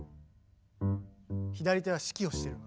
左手は指揮をしてるの。